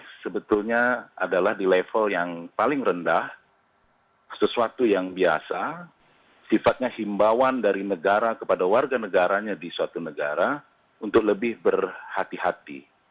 ini sebetulnya adalah di level yang paling rendah sesuatu yang biasa sifatnya himbawan dari negara kepada warga negaranya di suatu negara untuk lebih berhati hati